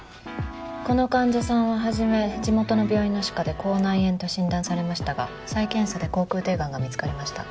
この患者さんは初め地元の病院の歯科で口内炎と診断されましたが再検査で口腔底癌が見つかりました。